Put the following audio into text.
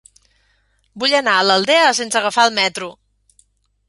Vull anar a l'Aldea sense agafar el metro.